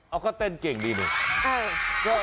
เอาก็เต้นเก่งดีนี่